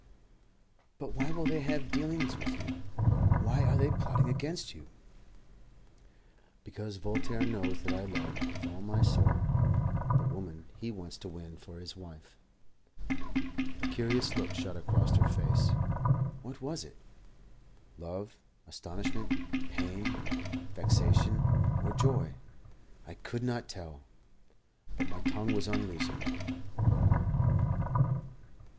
"But why will they have dealings with you? Why are they plotting against you?" "Because Voltaire knows that I love, with all my soul, the woman he wants to win for his wife." A curious look shot across her face. What was it? Love, astonishment, pain, vexation, or joy? I could not tell; but my tongue was unloosed.